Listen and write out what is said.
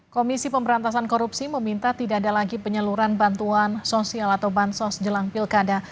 komisi pemberantasan korupsi meminta tidak ada lagi penyaluran bantuan sosial atau bansos jelang pilkada